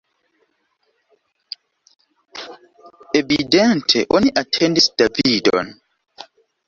Evidente oni atendis Davidon.